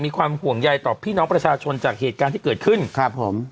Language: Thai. ความห่วงใยต่อพี่น้องประชาชนจากเหตุการณ์ที่เกิดขึ้นครับผม